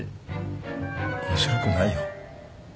面白くないよ。